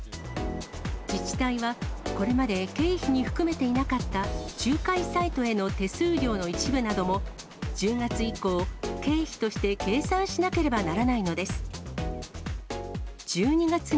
自治体は、これまで経費に含めていなかった仲介サイトへの手数料の一部なども、１０月以降、経費として計算しなければならないのです。